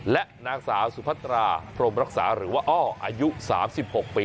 และนางสาวสุพัตราพรมรักษาหรือว่าอ้ออายุ๓๖ปี